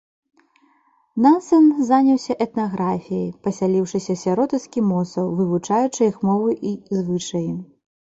Нансен заняўся этнаграфіяй, пасяліўшыся сярод эскімосаў, вывучаючы іх мову і звычаі.